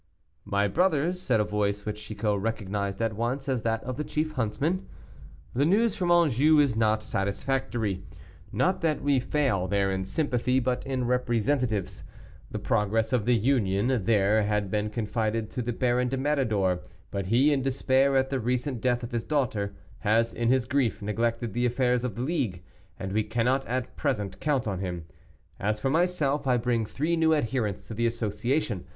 "My brothers," said a voice which Chicot recognized at once as that of the chief huntsman, "the news from Anjou is not satisfactory; not that we fail there in sympathy, but in representatives. The progress of the Union there had been confided to the Baron de Méridor, but he in despair at the recent death of his daughter, has, in his grief, neglected the affairs of the league, and we cannot at present count on him. As for myself, I bring three new adherents to the association.